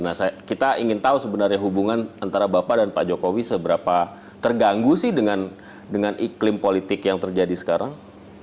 nah kita ingin tahu sebenarnya hubungan antara bapak dan pak jokowi seberapa terganggu sih dengan iklim politik yang terjadi sekarang